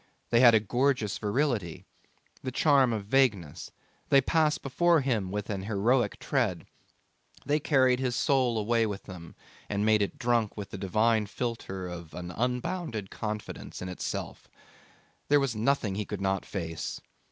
They had a gorgeous virility, the charm of vagueness, they passed before him with an heroic tread; they carried his soul away with them and made it drunk with the divine philtre of an unbounded confidence in itself. There was nothing he could not face.